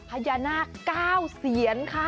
พญานาคเก้าเซียนค่ะ